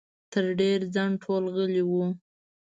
تر ډېره ځنډه ټول غلي وو.